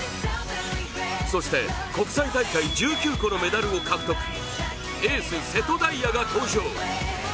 そして国際大会１９個のメダルを獲得、エース・瀬戸大也が登場。